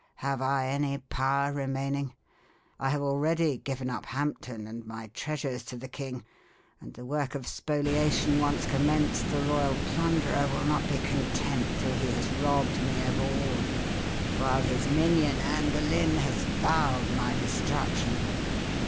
"Have I any power remaining? I have already given up Hampton and my treasures to the king; and the work of spoliation once commenced, the royal plunderer will not be content till he has robbed me of all; while his minion, Anne Boleyn, has vowed my destruction.